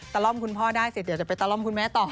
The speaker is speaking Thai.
ล่อมคุณพ่อได้เสร็จเดี๋ยวจะไปตะล่อมคุณแม่ต่อ